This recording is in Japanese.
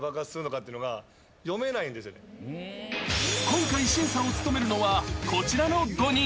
［今回審査を務めるのはこちらの５人］